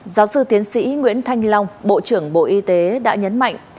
giáo sư tiến sĩ nguyễn thanh long bộ trưởng bộ y tế đã nhấn mạnh